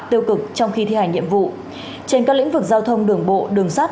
tiêu cực trong khi thi hành nhiệm vụ trên các lĩnh vực giao thông đường bộ đường sát